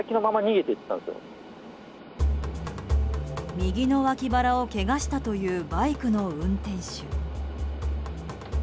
右のわき腹をけがしたというバイクの運転手。